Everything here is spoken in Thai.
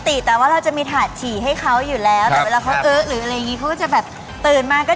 โชคความแม่นแทนนุ่มในศึกที่๒กันแล้วล่ะครับ